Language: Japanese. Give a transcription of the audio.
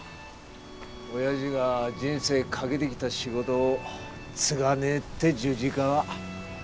おやじが人生懸けてきた仕事を継がねえって十字架は。